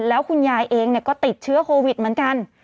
แล้วคุณยายเองก็ติดเชื้อโควิดเหมือนกัน